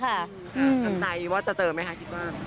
ทำใจว่าจะเจอไหมคะคิดว่า